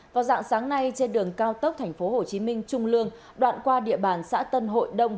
vào dạng sáng nay trên đường cao tốc tp hcm trung lương đoạn qua địa bàn xã tân hội đông